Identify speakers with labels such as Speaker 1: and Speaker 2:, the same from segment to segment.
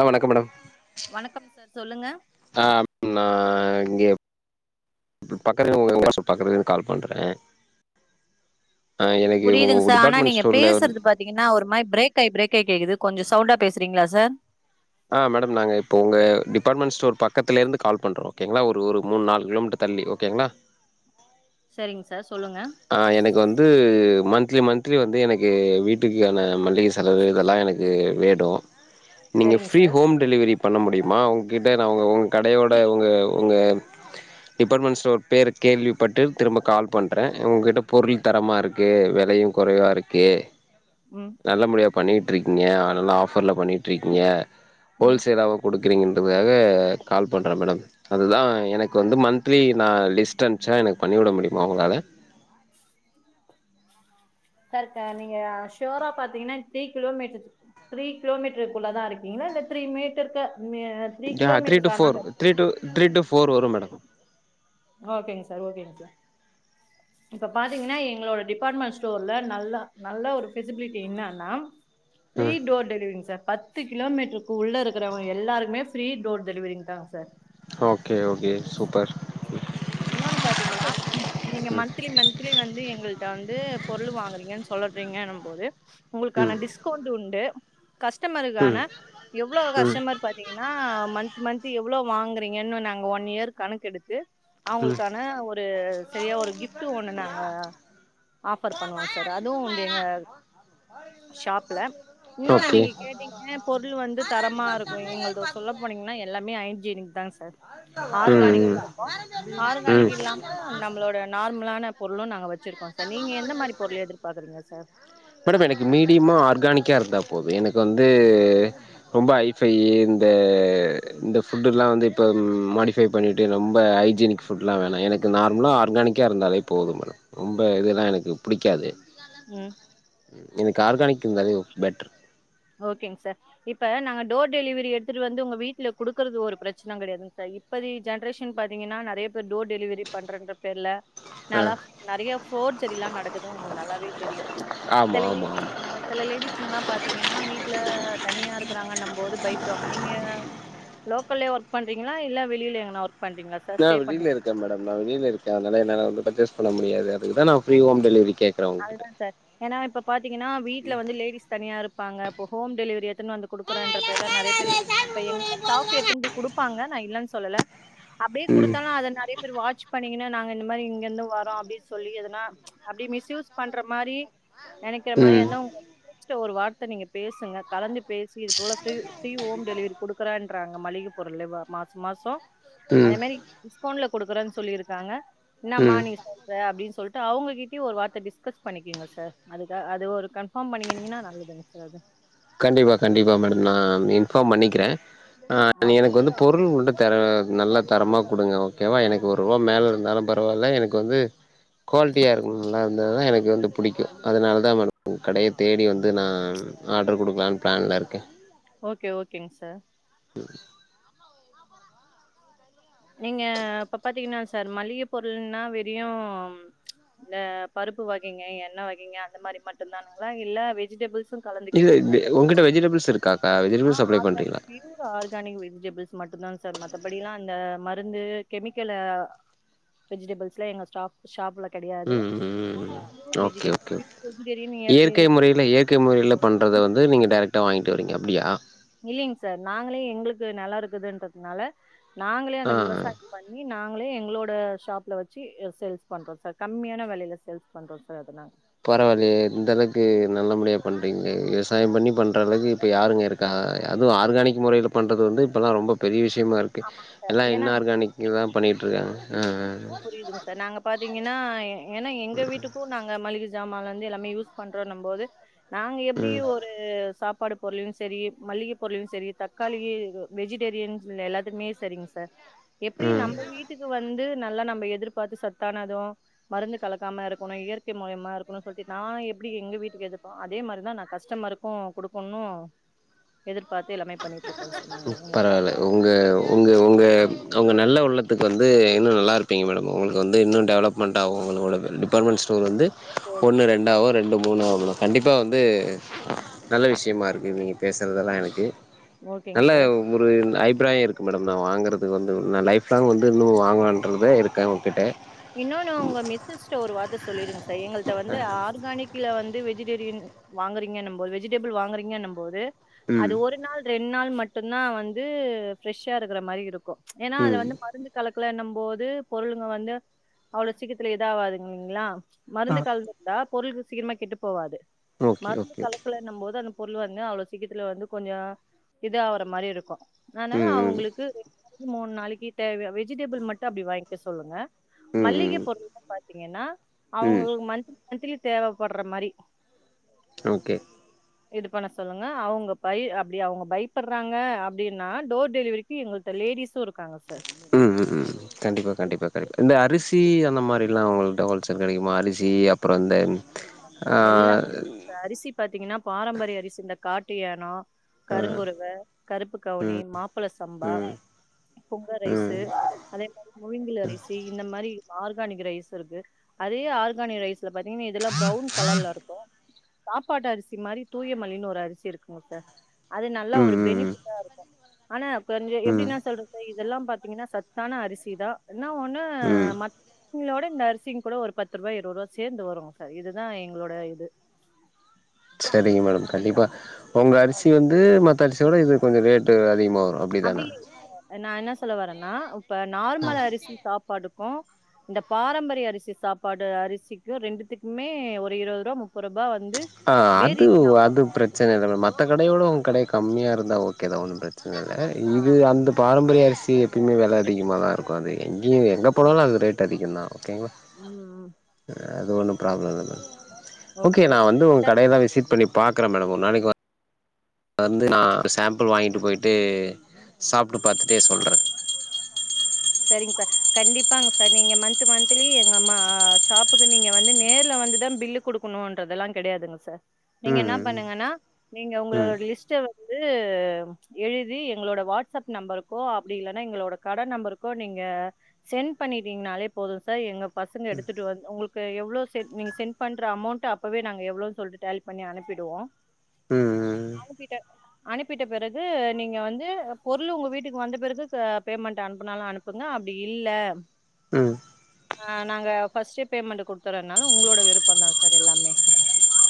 Speaker 1: ஆ வணக்கம் மேடம்
Speaker 2: வணக்கம் சார் சொல்லுங்க
Speaker 1: ஆ நா இங்க பக்கத்துல ஒரு [unintelligible] ஷோ பாக்கறதுக்கு கால் பண்றே ஆ எனக்கு உங்க டிபார்ட்மண்ட் ஸ்டோர்ல
Speaker 2: ன்னா ஒரு மாரி பிரேக்காயி பிரேக்காயி கேக்குது கொஞ்சோ சவுண்டா பேசுறீங்ளா சார்
Speaker 1: ஆ மேடம் நாங்க இப்போ உங்க டிபார்ட்மெண்ட் ஸ்டோர் பக்கத்துலந்து கால் பண்றோ ஓகேங்ளா ஒரு ஒரு மூனு நாலு கிலோமீட்டர் தள்ளி ஓகேங்ளா
Speaker 2: சரிங் சார் சொல்லுங்க
Speaker 1: ஆ எனக்கு வந்து மன்த்லி மன்த்லி வந்து எனக்கு வீட்டுக்கான மளிக செலவு இதெல்லா எனக்கு வேடு நீங்க
Speaker 2: சரிங்க
Speaker 1: ஃப்ரீ
Speaker 2: சார்
Speaker 1: ஹோம் டெலிவரி பண்ண முடியுமா உங்கிட்ட நா உங்க உன் கடையோட உங்க உங்க டிபார்ட்மெண்ட் ஸ்டோர் பேர் கேள்விப்பட்டு திரும்ப கால் பண்ற த உங்கிட்ட பொருள் தரமா இருக்கு வெலையு கொறைவா இருக்கு
Speaker 2: ம்
Speaker 1: நல்ல மொறயா பண்ணிட்டுருக்கீங்க நல்லா ஆஃபர்ல பண்ணிட்டுருக்கீங்க
Speaker 2: ம்
Speaker 1: ஹோல்சேலா குடுக்கறீங்கன்றதுக்காக கால் பண்ற மேடம் அதுதா எனக்கு வந்து மன்த்லி நா லிஸ்ட் அனுப்ச்சா எனக்கு பண்ணிவிட முடியுமா உங்களால
Speaker 2: சார் க நீங்க ஷ்யூரா பாத்தீங்கன்னா த்ரீ கிலோமீட்டர் த்ரீ கிலோமீட்டருக்குள்ளதா இருக்கீங்ளா இல்ல த்ரீ மீட்டருக்கு மீ
Speaker 1: யா three to four three to three to four வரும் மேடம்
Speaker 2: ஓகேங் சார் ஓகேங் சார் இப்ப பாத்தீங்கன்னா எங்களோட டிபார்ட்மெண்ட் ஸ்டோர்ல நல்ல நல்ல ஒரு ஃபிசிபிலிட்டி என்னனா ஃப்ரீ
Speaker 1: ம்
Speaker 2: டோர் டெலிவரிங் சார் ப த்து கிலோமீட்டருக்கு உள்ள இருக்கிறவன் எல்லாருக்குமே ஃப்ரீ டோர் டெலிவரிங்தா சார்
Speaker 1: ஓகே ஓகே சூப்பர்
Speaker 2: இன்னொன்னு பாத்தீங்கன்னா நீங்க
Speaker 1: ம்
Speaker 2: மன்த்லி மன்த்லி வந்து எங்கள்ட்ட வந்து பொருள் வாங்கறீங்கன் சொ சொல்லறீங்கன்னும்போது உங்களுக்கான
Speaker 1: ம்
Speaker 2: டிஸ்கவுண்ட் உண்டு கஸ்டமருக்கான
Speaker 1: ம்
Speaker 2: எவ்ளோ
Speaker 1: ம்
Speaker 2: கஸ்டமர் பாத்தீங்கன்னா மன்த் மன்த் எவ்ளோ வாங்கறீங்கன்னு நாங்க ஒன் இயர் கணக்கெடுத்து
Speaker 1: ம்
Speaker 2: அவுங்களுக்கான ஒரு சரியா ஒரு கிஃப்ட்டு ஒண்ணு நாங்க ஆஃபர் பண்ணுவோ சார் அதுவு உண்டு எங்க ஷாப்ல இன்னொன்னு
Speaker 1: ஓகே
Speaker 2: நீங்க கேட்டீங்க பொருள் வந்து தரமா இருக்கு எங்கள்து சொல்ல போனீங்னா எல்லாமே ஹைஜீனிக்தாங் சார்
Speaker 1: ம்
Speaker 2: ஆர்கானிக்லயு இருக்கு
Speaker 1: ம்
Speaker 2: ஆர்கானிக் இல்லாம
Speaker 1: ம்
Speaker 2: நம்மளோட நார்மலான பொருளு நாங்க வெச்சிரு சார் நீங்க எந்த மாரி பொருள் எதிர்பாக்கறீங்க சார்
Speaker 1: மேடம் எனக்கு மீடியமா ஆர்கானிக்காக இருந்தா போது எனக்கு வந்து ரொம்ப ஹஃவை இந்த இந்த ஃபுட்டெல்லா வந்து இப்ப ம் மாடி பே பண்ணிட்டு ரொம்ப ஹஜீனிக் ஃபுடெல்லா வேணா எனக்கு நார்மலா ஆர்கானிக்கா இருந்தாலே போதும் மேடம் ரொம்ப இதெல்லா எனக்கு புடிக்காது
Speaker 2: ம்
Speaker 1: எனக்கு ஆர்கானிக் இருந்தாலே பெட்டர்
Speaker 2: ஓகேங் சார் இப்ப நாங்க டோர் டெலிவரி எடுத்துட்டு வந்து உங்க வீட்ல குடுக்கறது ஒரு பிரச்சன கெடையாதுங் சார் இப்பதி ஜென்ரேஷன் பாத்தீங்கனா நெறயா பேர் டோர் டெலிவரி பண்றன்ற பேர்ல
Speaker 1: ஆ
Speaker 2: நல்லா நெறயா ஃபோர் ஜெரில்லா நடக்குது உங்களுக்கு நல்லாவே தெரியு
Speaker 1: ஆமா
Speaker 2: சில
Speaker 1: ஆமா ஆமா
Speaker 2: லேடிஸ்னால் சில லேடிஸ்ங்கல்லா பாத்தீங்கன்னா வீட்ல தனியா இருகறாங்கன்ம்போது பயப்படுவாங்க நீங்க லோக்கல்லயே ஒர்க் பண்றீங்ளா இல்ல வெளில எங்கனா ஒர்க் பண்றீங்ளா சா
Speaker 1: நா வெளில இருக்கன் மேடம் நான் வெளில இருக்கேன் அதனால என்னால வந்து பர்சேஸ் பண்ண முடியாது அதுக்குதா ப்ரீ ஹோம் டெலிவரி கே
Speaker 2: அதுதா சார் ஏனா இப்ப பாத்திங்கனா வீட்ல வந்து லேடிஸ் தனியா இருப்பாங்க இப்ப ஹோம் டெலிவரி எ த்துனு வந்து குடுக்குறேன்ற பேர்ல நறைய பேரு இப்ப எங்க ஸ்டாஃப் எத்துன் போய் குடுப்பாங்க நா இல்லன் சொல்லல. அப்டியே
Speaker 1: ம்
Speaker 2: குடுத்தாலு அத நறைய பேரு வாச் பண்ணிகுனு நாங்க இந்த மாரி இங்கிர்ந்து வ ரோ அப்டி சொல்லி எதனா அப்டி மிஸ்யூஸ் பண்ற மாரி நெனக்கிற
Speaker 1: ம்
Speaker 2: மாரியந்தா உங்க ஸ்ட்ட ஒரு வார்த்த நீங்க பேசுங்க கலந்து பேசி இது போல ஃப்ரு ஃபிரி ஹோம் டெலிவரி குடு க்குறேன்றாங்க மளிக பொருளு வ மாச மாசோ அதே
Speaker 1: ம்
Speaker 2: மாரி டிஸ்கவுண்ட்ல குடுக்குறன் சொல்லிருக்காங்க என்னம்மா
Speaker 1: ம்
Speaker 2: நீ சொல்ற அப்டின் சொல்ட்டு அவங்ககிட்யு ஒரு வார்த்த டிஸ் க்கஸ் பண்ணிக்கங்க சார் அதுக்கு அது ஒரு கன்ஃபாம் பண்ணிக்கனிங்கனா நல்லதுங் சார் அது.
Speaker 1: கண்டிப்பா கண்டிப்பா மேடம் நான் இன்ஃபாம் பண்ணிக்கிறே அ நீங்க
Speaker 2: ஓகேங்க
Speaker 1: எனக்கு வந்து
Speaker 2: சார்.
Speaker 1: பொருள் உள்ள தர நல்ல தரமா குடுங்க ஓகேவா எனக்கு ஒருவா மேல இருந்தாலு பரவால்ல எனக்கு வந்து குவால்ட்டியா இருக் நல்லார்ந்தாதா எனக்கு வந்து புடிக்கு அதனால் தா மேடம் உங் கடைய தேடி வந்து நான் ஆட் ர் குடுக்கலான் பிளான்லருக்கே.
Speaker 2: ஓகே ஓகேங் சார்.
Speaker 1: ம்.
Speaker 2: நீங்க இப்ப பாத்திங்கனா சார் மளிகை பொருள்னா வெறியும் இந்த பருப்பு வகைங்க எண்ண வகைங்க அந்த மாரி மட்டுந்தானுங்ளா இல்ல வெஜிடபிள்ஸ்
Speaker 1: இது இப்டி உங்கட்ட வெஜிடபிள்ஸ் இருக்காக்கா வெஜிடபிள்ஸ் சப்ளை பண்றீங்களா?
Speaker 2: அ ஆர்கானிக் வெஜிடபிள்ஸ் மட்டுந்தாங் சார் மத்தபடி எல்லா அந்த மருந்து கெமிக்கலு வெஜிடபிள்ஸ்லா எங்க ஸ்டாஃப் ஷாப்ல கெடையாது.
Speaker 1: ம் ம் ம் ம்.
Speaker 2: [inaudible] ப்யூர் வெஜிடெ [inaudible] வெஜிடேரியன் நீ எப்டி
Speaker 1: இல்ல இயற்கை முறையில பண்றத வந்து நீங்க டைரெக்டா வாய்ங்ட்டு வரிங்க அப்டியா?
Speaker 2: இல்லைங் சார் நாங்களே எங்களுக்கு நெலோ இருக்குதுன்றத்னால நாங்களே
Speaker 1: ஆ
Speaker 2: அந்த விவசாய பண்ணி நாங்ளே எங்ளோட ஷாப்ல வெச்சி எ சேல்ஸ் பண்றோ சார் கம்மியான வெலைல சேல்ஸ் பண்றோ சார் அத நா
Speaker 1: பரவாலையே இந்தளக்கு நல்ல முடியா பண்றிங்ளே விவசாயம் பண்ணி பண்றளவுக்கு இப்ப யாருங்க இருக் கா அது ஆர்கானிக் முறையில பண்றது வந்து இப்பெல்லா ரொம்போ பெரிய விஷ்யமாரு கு எல்லா
Speaker 2: ஏன்னா
Speaker 1: இன் ஆர்கானிக் தா பண்ணிட்ருக்காங் அ அ அ
Speaker 2: புரிதுங் சார் நாங்க பாத்திங்கனா ஏ ஏனா எங்க வீட்டுக்கு நாங் அ மளிக சாமான்லந்து எல்லாமே யூஸ் பண்றோன்ன போது நாங்க எப்டி
Speaker 1: ம்
Speaker 2: ஒரு அ சாப்பாடு பொருளையு செரி மளிக பொருளையு செரி தக்காளிகி கு வெஜிடேரியன்ஸ் இல்ல எல்லாத்துக்மே செரிங்ஸ் த எப்பிடி
Speaker 1: ம்
Speaker 2: நம்ப வீட்டுக்கு வந்து நல்லா நம்ப எதிர்பாத்து சத்தான அதுவு மருந்து கலக்காம இருக்குணு இயற்கை மூலியமா இருக்குணு சொல்ட்டி நா எப்டி எங்க வீட்டுக்கு எத்துட்போ அதே மாரிதா நா கஸ்டமருக் கு குடுக்குண்ணு எதிர்பாத்து எல்லாமே பண்ணி
Speaker 1: ம் பரவால்ல உங்கவ் உங்க உங்க உங்க நல்ல உள்ளத்துக்கு வந்து இன்னு நல்லா இருப்பீங்க மேடம் உங்குளுக்கு வந்து இன்னு டெவலப் மெண்ட் ஆவு உங்களோடது டிபாட்மெண் ஸ்டோர் வந்து
Speaker 2: ஓகே ஓகே
Speaker 1: ஒன்னு ரெண்டு ஆவு ரெண்டு மூணு ஆவு மேடம் கண்டிப்பா வந்து நல்ல விஷ்யமா இருக்கு நீங்க பேசறதெல்லா எனக்கு.
Speaker 2: ஓகேங்க சார்
Speaker 1: நல்லவ் ஒருன் அயிப்ராய இருக்கு மேடம் நா வாங்கறதுக்கு வந்து ஒரு நா லைஃப் லாங் வந்து இன்னு வாங்கலான்ட்ருக்து இரு
Speaker 2: இன்னோனு உங்க மிசஸ்ட ஒரு வார்த்த சொல்லிடுங்க சார் எங்கள்ட்ட வந்து ஆர்கானிக் கில வந்து வெஜிடேரியன் வாங்கறிங்கன்னும் போ வெஜிடபிள் வாங்கறிங்கன்னும் போது
Speaker 1: ம்
Speaker 2: அது ஒரு நாள் ரெண் நாள் மட்டுந்தா வந்து ஃபிரெஷ்ஷா இருக்கற மாரி இருக்கு ஏனா அதுல
Speaker 1: ம்
Speaker 2: வந்து மருந்து கலக்குலன்னம் போது பொருளுங்க வந்து அவ்ளோ சீக்கத்துல இதாவாதுங் இல்லிங்ளா?
Speaker 1: ஆ
Speaker 2: மருந்து கலந்துருந்தா பொருள்க சீக்கரமா கெட்டு போவாது
Speaker 1: ஓகே
Speaker 2: மருந்து
Speaker 1: ஓகே
Speaker 2: கலக்கல ன்னும் போது அந்த பொருள் வந்து அவ்ளோ சீக்கத்துல வந்து கொஞ்சோ இது ஆவற மாரி இருக்கு. அதனால
Speaker 1: ம் ம்
Speaker 2: அவுங்குளுக்கு ரெண் நாளைக்கி மூன் நாளைக்கி தேவய வெஜிடபிள் மட்டு அப்டி வாய்ங்க்க சொல்லுங்க.
Speaker 1: ம்
Speaker 2: மளிகை பொருள் பாத்தீங்கன்னா
Speaker 1: ம் ம்
Speaker 2: அவுங்களுக்கு மத்லி மத்லி தேவப்பட்ற மாரி
Speaker 1: ஓகே
Speaker 2: இது பண்ண சொல்லுங்க அவுங்க பை அப்டி அவுங்க பயப்பட்றாங்க அப்டின்னா டோர் டெலிவரி எங்கள்ட்ட லேடிஸு இருக்காங்க சார்
Speaker 1: ம் ம் ம் கண்டிப்பா கண்டிப்ப கண்டிப்பா இந்த அரிசி அந்த மாரிலா அவங்கள்ட்ட ஹோல்சேல் கெடைக்குமா அரிசி அப்பறோ இந்த [inaudible]
Speaker 2: எல்லாமே இருக்துங்க அரிசி பாத்தீங்கன்னா பாரம்பரிய அரிசி இந்த காட்டு ஏனோ
Speaker 1: ஆ
Speaker 2: கருங்குரவ கருப்பு கவுனி
Speaker 1: ம்
Speaker 2: மாப்ள சம்பா
Speaker 1: ம்
Speaker 2: புங்க ரைசு
Speaker 1: ம்
Speaker 2: அதே மாரி முவிங்கில் அரிசி இந்த மாரி ஆர்கானிக் ரைஸ் இருக்கு அதே ஆர்கானிக் ரைஸ் இதுல பாத்தீங்கன்ன இதெல்லா ப்ரவுன் சாப்பாட்டு அரிசி மாரி தூயமல்லின்னு ஒரு அரிசி இருக்குங்க சார் அது நல்லா ஒரு
Speaker 1: ம் ம்
Speaker 2: பெனிஃபிட்டா இருக்கும் ஆனா கொஞ்ச எப்டி
Speaker 1: ம்
Speaker 2: நா சொல்ற சோ இதெல்லா பாத்தீங்கன்னா சத்தான அரிசிதா என்னா ஒண்ணு
Speaker 1: ம்
Speaker 2: மட் எங்களோட இந்த அர்சிங் கூட ஒரு பத்து ருவா இருவது ருவா சேந்து வருங் சார் இதுதா எங்களோட இது
Speaker 1: சரிங்க மேடம் கண்டிப்பா உங்க அரிசி வந்து மற்ற அரிசியோட இது கொஞ்ச ரேட்டு அதிகமாக வரூ
Speaker 2: அப்டியில்லைங் சார் நா என்ன சொல்ல வரன்னா இப்ப நார்மல் அரிசி சாப்பாடு கு இந்த பாரம்பரிய அரிசி சாப்பாடு அரிசிக்கு ரெண்டுத்துக்குமே ஒரு இருவது ருபா முப் பெரபா வந்து
Speaker 1: ஆஹ் அது
Speaker 2: வேரியேஷன் அமௌண்ட்
Speaker 1: அது பிரச்சன இல்ல மம் மத்த கடையோடு உங்க கடை கம்மியா இருந்தா ஓகேதா ஒன்னு பிரச்சன இல்ல
Speaker 2: ஆ
Speaker 1: இது அந்த பாரம்பரிய அரிசி எப்பயுமே வெல அதிகமா தா இருக்கு அது எங்கியு எங்க
Speaker 2: ஆமா.
Speaker 1: போனாலு அது ரேட் அதிகோ தா ஓகேங்களா
Speaker 2: ம்.
Speaker 1: அது ஒன்னு ப்ராப்ளம் இல்ல மேம் ஓகே நா வந்து உங்க கடைய தா விசிட் பண்ணி பாக்ற மேடம் ஒருநாளைக்கு வந்து நா சாம்பிள் வாங்கிட்டு போய்ட்டு சாப்ட்டு பாத்துட்டே சொல்ற
Speaker 2: சரிங் சார் கண்டிப்பாங்க சார் நீங்க மன்த் மன்த்லி எங்க ஷாப்புக்கு நீங்க வந்து நேர்ல வந்துதா பில்லு குடுக்கணுன்றதெல்லா கெடையாதுங்க சார் நீங்க என்ன
Speaker 1: ம்
Speaker 2: பண்ணுங்கன்னா நீங்க உங்களோட
Speaker 1: ம்
Speaker 2: லிஸ்ட்ட எழுதி எங்களோட வாட்ஸ்அப் நம்பருக்கோ அப்டி இல்லனா எங்களோட கட நம்பருக்கோ நீங்க சென்ட் பண்ணிட்டீங்கனாலே போது சார் எங்க பசங்க எடுத்துட்டு வந் உங்க க்கு எவ்ளோ செ நீங் சென்ட் பண்ற அமோண்ட் அப்பவே நாங்க எவ்ளோ சொல்ட்டு டாலி பண்ணி அனுப்பிடுவோ
Speaker 1: ம் ம்
Speaker 2: ஆளுகிட்ட அனுப்பிட்ட பிறகு நீங்க வந்து பொருள் உங்க வீட்டுக்கு வந்த பிறகு பேமெண்ட் அனுப் னாலு அனுப்புங்க அப்டி இல்ல
Speaker 1: ம் ம்
Speaker 2: அ நாங்க ஃபஸ்ட்டே பேமெண்ட் கொடுத்தறனால உங்களோட விருப்ப தா சார் எல்லாமே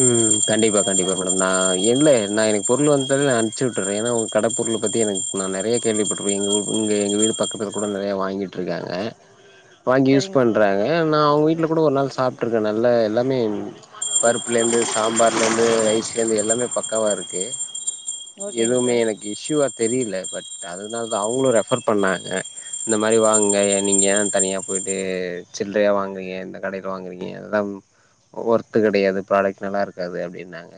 Speaker 1: ம் கண்டிப்பா கண்டிப்பா மேடம் நா இல்ல நா எனக்கு பொருள் வந்தோனே நா அனுச்சு உட்டற்ற ஏன்னா உங்க கட பொருள் பத்தி எனக் நா நெறைய கேள்விப்பட்ருக்க எங் எங்க இங்க எங்க வீடு பக்கத்துல கூட நெறையா வாங்கிட்டுருக்காங்க வாங்கி யூஸ்
Speaker 2: சரிங்க சார்
Speaker 1: பண்றாங்க ஏ நா அவுங்க வீட்ல கூட ஒரு நாள் சாப்ட்டுருக்க நல்லா எல்லாமே பருப்புலேந்து சாம்பார்லேந்து ரைஸ்லேந்து எல்லாமே பக்கவா இருக்கு
Speaker 2: ஓகேங்க
Speaker 1: எதுமே
Speaker 2: சார்
Speaker 1: எனக் இஷ்யுவா தெரில பட் அதனால தா அவுங்களு ரெஃபர் பண்ணாங்க இந்த மாரி வாங்குங்க எ நீங்க ஏ தனியா போய்ட்டு சில்றையா வாங்குறீங்க எந்த கடைல வாங்குறீங்க எல்லாம் ஒர்த்து கெடையாது ப்ராடெக் நல்லா இருக்காது அப்டின்னாங்க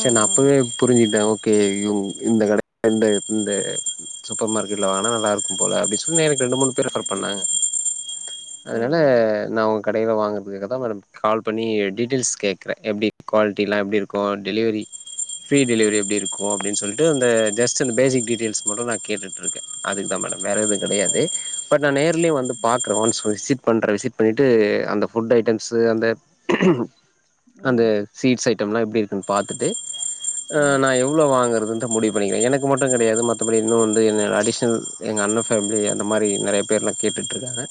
Speaker 1: சரி
Speaker 2: ம்
Speaker 1: நா
Speaker 2: ம்
Speaker 1: அப்போவே புரிஞ்சுட்ட ஓகே தேயும் இந்த கட [inaudible] இந்த இந்த சூப்பர் மார்கெட்ல வாங்கன நல்லாக்கும் போல அப்டினு சொன்ன எனக்கு ரெண்டு மூணு பிரிஃபர் பண்ணாங்க அதுனால
Speaker 2: ம்
Speaker 1: நா உங்க கடைல வாங்கறதுக்காக தா மேடம் கால் பண்ணி டீட்டெய்ல்ஸ் கேக் ற எப்டி கோல்ட்டிலா எப்டி இருக்கு டெலிவெரி ஃப்ரீ டெலிவரி எப்டி இருக்கு அப்டின் சொல்ட்டு அந்த ஜஸ்ட் அந்த பேசிக் டீடெய்ல்ஸ்க் மட்டு நா கேட்டுட்ருக்கே அதுக்குதா மேடம் வேறெது கெடையாது பட் நா நேர்ல்யு வந்து பாக்குறே ஒன்ஸ் விசிட் பண்ற விசிட் பண்ணிட்டு அந்த ஃபுட் ஐட்டம்ஸு அந்த
Speaker 2: ம்
Speaker 1: அந்த
Speaker 2: ம்
Speaker 1: ஸ்வீட்ஸ் ஐட்டம்லா எப்டி இருக்குன் பாத்துட்டு அ
Speaker 2: ம்
Speaker 1: நா எவ்வுளோ வாங்கறதுன் த முடிவு பண்ணிக்கிறே எனக்கு மட்டு கெடையாது மத்தபடி இன்னு வந்து என்ன அடிஷன் எங்க அண்ண ஃபேம்லி அந்த மாரி நெறைய பேர்லா கேட்டுட்ருக்காக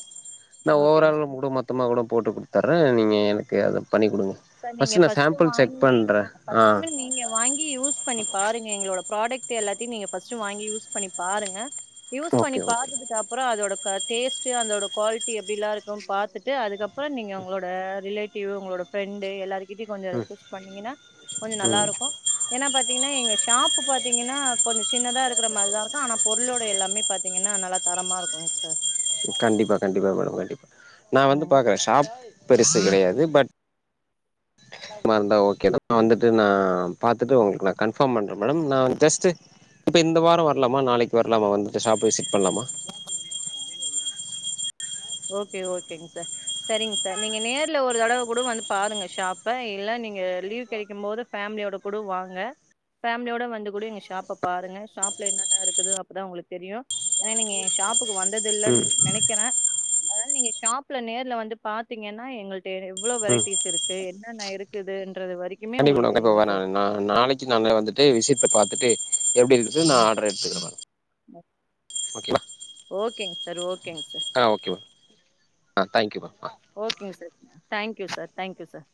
Speaker 1: நா
Speaker 2: ஓகேங்க
Speaker 1: ஓவரால
Speaker 2: சார்
Speaker 1: கூட மொத்தமா கூட போட்டு குடுத்துர்ற நீங்க எனக்கு அத பண்ணி குடுங்க
Speaker 2: சார் நீங்க
Speaker 1: நா
Speaker 2: ஃபஸ்ட்டு
Speaker 1: சாம்பிள் செக்
Speaker 2: வாங்கி
Speaker 1: பண்றே
Speaker 2: அ
Speaker 1: ஆ
Speaker 2: பர்ஸ்னல் நீங்க வாங்கி யூஸ் பண்ணி பாருங்க எங்களோட ப்ராடக்ட் எல்லாத்தியு நீங்க ஃபஸ்ட்டு வாங்கி யூஸ் பண்ணி பாருங்க யூஸ் பண்ணி
Speaker 1: ஓகே ஓகே
Speaker 2: பாத்ததுக்கப்றோ அதோட க டேஸ்ட்டு அதோட குவால்ட்டி எப்டிலா இருக்கு பாத்துட்டு அதுக்கப்றோ நீங்க உங்குளோட ரிலேட்டிவ் உங்குளோட ஃபிரெண்டு எல்லார்கிட்டியு கொஞ்சோ
Speaker 1: ம்
Speaker 2: ரெக்வஸ்ட் பண்ணீங்கனா கொஞ்சோ
Speaker 1: ம்
Speaker 2: நல்லாருக்கு ஏனா பாத்தீங்ன்னா எங்க ஷாப்பு பாத்தீங்கனா கொஞ்சு சின்னதா இருக்கிற மாரிதா இருக்கு ஆனா பொருளோட எல்லாமே பாத்தீங்கனா நல்லா தரமா இருக்குங்சார்
Speaker 1: கண்டிப்பா கண்டிப்பா மேடம் கண்டிப்பா நா வந்து
Speaker 2: ம்.
Speaker 1: பாக்குற ஷாப் பெருசு கெடையாது பட் சுமா இர்ந்தா ஓகேதா நா வந்துட்டு நா பாத்துட்டு உங்ளுக்கு நா கன்ஃபாம் பண்ற மேடம் நா ஜஸ்ட்டு இப்ப இந்த வாரோ வர்லாமா நாளைக்கு வர்லாமா வந்துட்டு ஷாப்ப விசிட் பண்லாமா
Speaker 2: ஓகே ஓகேங் சார் சரிங் சார் நீங்க நேர்ல ஒரு தடவ கூடோ வந்து பாருங்க ஷாப்ப இல்ல நீங்க லீவ் கெடைக்கும் போது ஃபேமிலியோட கூடோ வாங்க ஃபேம்லியோட வந்து கூட எங்க ஷாப்ப பாருங்க ஷாப்ல என்னென்ன இருக்குது அப்புதா உங்ளுக் தெரியு ஆனா நீங்க என் ஷாப்புக்கு வந்ததுல்லன்
Speaker 1: ம்
Speaker 2: நெனைக்கிற அதுனால நீங்க ஷாப்ல நேர்ல வந்து பாத்தீங்கனா எங்கள்ட்ட எவ்ளோ
Speaker 1: ம்
Speaker 2: வெரைட்டீஸ் இருக்கு என்னென்ன இரு க்குதுன்ற வரி
Speaker 1: கண்டிப் மேடம் கண்ப்பா வர நா நாளை க்கி நா நா வந்துட்டு விசித்த பாத்துட்டு எப்டி இருக்குது நா ஆர்ட்ர எடுத்துகிற மேடம் ஓகேவா
Speaker 2: ஓகேங் சார் ஓகேங் சார்
Speaker 1: ஆ ஓகே ம ஆ தேங்க் யூ மா ஆ
Speaker 2: ஓகேங் sir thank you sir thank you sir